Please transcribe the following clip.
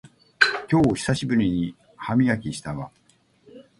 今日久しぶりに歯磨きしたわ